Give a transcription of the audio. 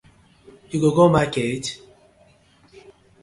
You go go market?